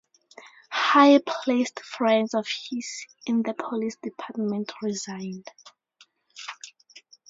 High-placed friends of his in the police department resigned.